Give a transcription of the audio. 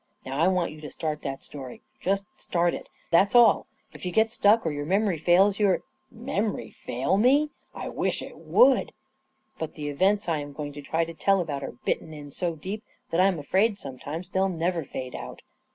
Now I want you to start that story. Just start it, that's*, all. If you get stuck, or your memory fails you —" Memory fail me! I wish it would! But the A KING IN BABYLON S events I am going to try to tell about are bitten in so deep that I'm afraid, sometimes, they'll never fade out.